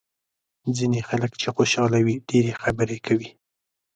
ځینې خلک چې خوشاله وي ډېرې خبرې کوي.